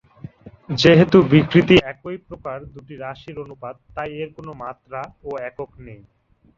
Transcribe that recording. যেহেতু বিকৃতি একই প্রকার দুটি রাশির অনুপাত তাই এর কোন মাত্রা ও একক নেই।